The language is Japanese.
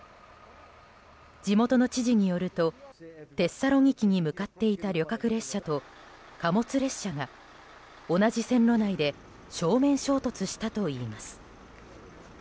地元の知事によるとテッサロニキに向かっていた旅客列車と貨物列車が同じ線路内で正面衝突したといいます。